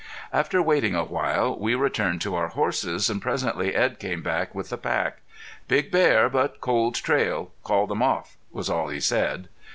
After waiting a while we returned to our horses, and presently Edd came back with the pack. "Big bear, but cold trail. Called them off," was all he said.